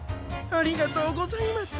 ありがとうございます。